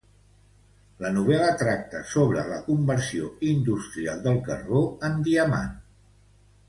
La novel·la tracta sobre la conversió industrial del carbó en diamant.